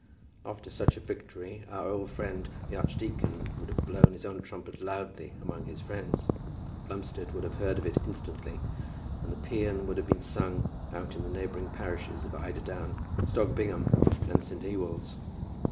After such a victory our old friend the archdeacon would have blown his own trumpet loudly among his friends. Plumstead would have heard of it instantly, and the pæan would have been sung out in the neighbouring parishes of Eiderdown, Stogpingum, and St. Ewolds.